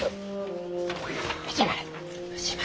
藤丸。